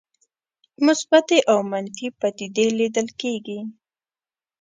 مثبتې او منفي پدیدې لیدل کېږي.